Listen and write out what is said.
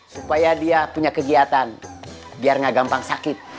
supaya dia punya kegiatan biar nggak gampang sakit